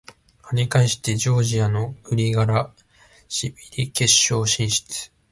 跳ね返してジョージアのグリガラシビリ決勝進出！